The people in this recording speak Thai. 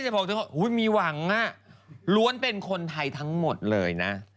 ๒๖ถึง๖๖มีหวังล้วนเป็นคนไทยทั้งหมดเลยนะ